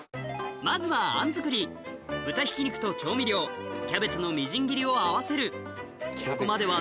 まずはあん作り豚ひき肉と調味料キャベツのみじん切りを合わせるここまでは